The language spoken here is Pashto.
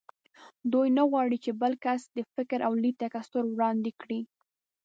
دوی نه غواړ چې بل کس د فکر او لید تکثر وړاندې کړي